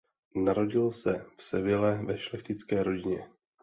Narodil se v Seville ve šlechtické rodině.